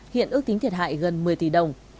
hiện ước tính thiệt hại gần một mươi tỷ đồng